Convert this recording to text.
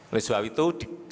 oleh sebab itu